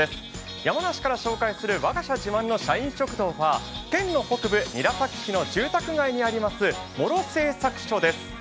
山梨から紹介する「我が社自慢の社員食堂」は、県の北部韮崎市の住宅街にあります、茂呂製作所です。